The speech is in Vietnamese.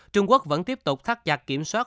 trung quốc vẫn tiếp tục thắt chặt kiểm soát